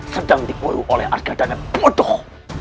sedang diburu oleh orga dana bodoh